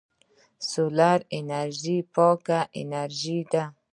سولر انرژي پاکه انرژي ده.